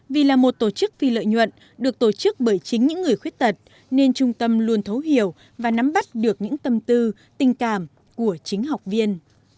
vì là một tổ chức phi lợi nhuận được tổ chức bởi chính những người khuyết tật nên trung tâm luôn thấu hiểu và nắm bắt được những tâm tư tình cảm của chính học viên